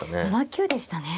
７九でしたね。